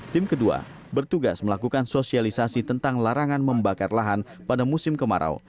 tim kedua bertugas melakukan sosialisasi tentang larangan membakar lahan pada musim kemarau